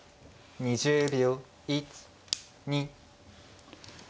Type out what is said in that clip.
２０秒。